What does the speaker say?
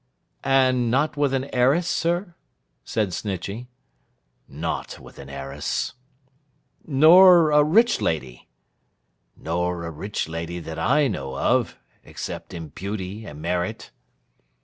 'And not with an heiress, sir?' said Snitchey. 'Not with an heiress.' 'Nor a rich lady?' 'Nor a rich lady that I know of—except in beauty and merit.